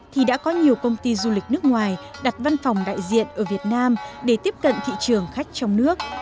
thì đã có nhiều công ty du lịch nước ngoài đặt văn phòng đại diện ở việt nam để tiếp cận thị trường khách trong nước